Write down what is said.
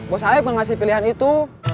bos haef yang ngasih pilihan itu